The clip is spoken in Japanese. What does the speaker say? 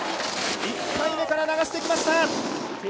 １回目から流してきました。